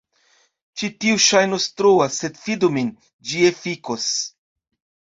Ĉi tio ŝajnos troa sed fidu min, ĝi efikos.